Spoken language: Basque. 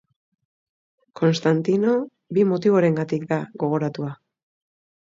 Konstantino bi motiborengatik da gogoratua.